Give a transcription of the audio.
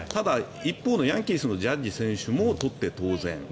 一方のヤンキースのジャッジ選手も取って当然。